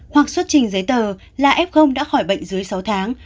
hoặc xuất trình giấy tờ là f đã khỏi bệnh dưới sáu tháng